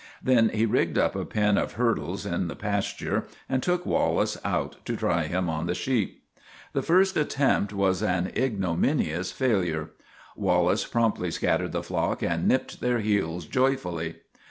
Then he rigged up a pen of hurdles in the pasture and took Wallace out to try him on the sheep. The first attempt was an ignominious failure. Wallace promptly scattered the flock and nipped their heels joyfully.